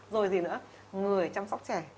rồi gì nữa người chăm sóc trẻ